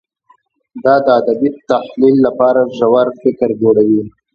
دا د ادبي تحلیل لپاره ژور فکر جوړوي.